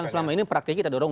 selama ini praktik kita dorong